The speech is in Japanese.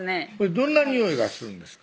どんなにおいがするんですか？